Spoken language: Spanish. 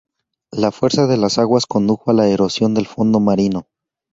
La fuerza de las aguas condujo a la erosión del fondo marino.